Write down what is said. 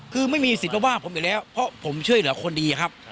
คือไม่มีสิทธิ์มาว่าผมอยู่แล้วเพราะผมช่วยเหลือคนดีครับ